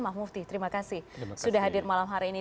mah mufti terima kasih sudah hadir malam hari ini